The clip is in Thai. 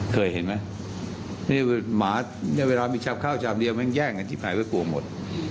เคยเห็นมั้ยหมาเวลามีชำข้าวชำเดียวมันแย่งกันที่ภายไว้กลัวหมด